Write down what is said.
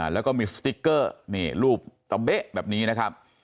แล้วก็มีสติ๊กเกอร์นี่รูปตะเบ๊ะแบบนี้นะครับ